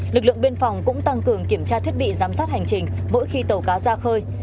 lực lượng biên phòng cũng tăng cường kiểm tra thiết bị giám sát hành trình mỗi khi tàu cá ra khơi